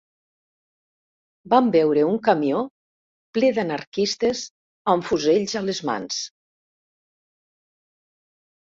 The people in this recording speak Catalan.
Vam veure un camió, ple d'anarquistes amb fusells a les mans